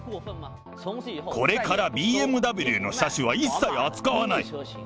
これからＢＭＷの車種は一切扱わない。